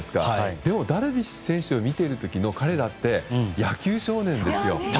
でも、ダルビッシュ選手を見ている時の彼らって野球少年ですよ。